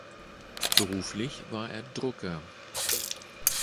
Beruflich war er Drucker.